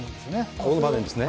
ここの場面ですね。